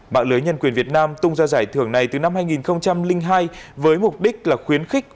mạng lưới nhân quyền việt nam tung ra giải thưởng này từ năm hai nghìn hai với mục đích là khuyến khích